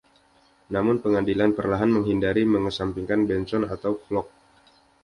Namun Pengadilan perlahan menghindari mengesampingkan “Benson” atau “Flook”.